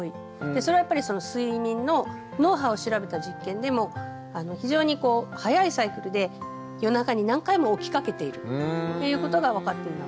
それはやっぱり睡眠の脳波を調べた実験でも非常に早いサイクルで夜中に何回も起きかけているということが分かっています。